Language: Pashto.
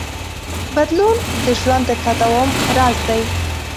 بدلون د ژوند د تداوم راز دی.